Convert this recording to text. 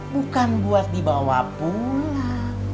bukan buat dibawa pulang